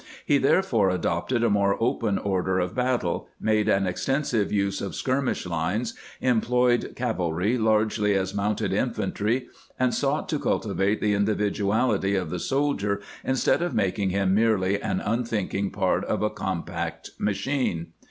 He therefore adopted a more open order of battle, made an extensive use of skirmish lines, employed cavalry largely as mounted infantry, and sought to cultivate the individuality of the soldier instead of making him merely an unthinking part of a compact machine.